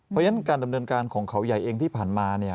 เพราะฉะนั้นการดำเนินการของเขาใหญ่เองที่ผ่านมาเนี่ย